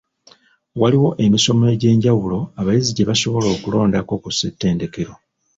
Waaliwo emisomo egy'enjawulo abayizi gye basobola okulondako ku Ssetendekero.